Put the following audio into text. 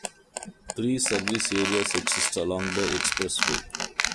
Three service areas exist along the expressway.